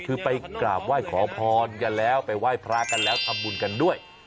คือไปกราบไหว้ขอพรกันแล้วไปไหว้พระกันแล้วทำบุญกันด้วย